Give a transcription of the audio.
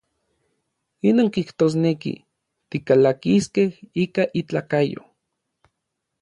Inon kijtosneki, tikalakiskej ika itlakayo.